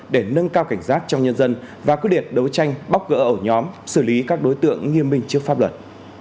để nâng cao cảnh giác trong nhân dân và quyết liệt đấu tranh bóc gỡ ổ nhóm xử lý các đối tượng nghiêm minh trước pháp luật